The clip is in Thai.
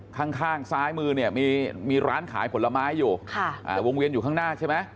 ข้างข้างซ้ายมือเนี่ยมีร้านขายผลไม้อยู่วงเวียนอยู่ข้างหน้าใช่ไหม